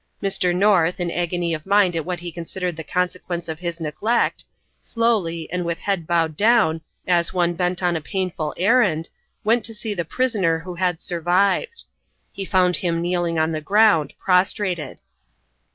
Mr. North, in agony of mind at what he considered the consequence of his neglect, slowly, and with head bowed down, as one bent on a painful errand, went to see the prisoner who had survived. He found him kneeling on the ground, prostrated.